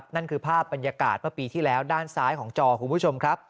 นั่นคือภาพบรรยากาศเมื่อปีที่แล้วด้านซ้ายของจอคุณผู้ชมครับ